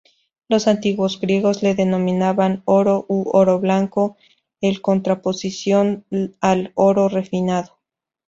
Los antiguos griegos lo denominaban 'oro' u 'oro blanco', en contraposición al 'oro refinado'.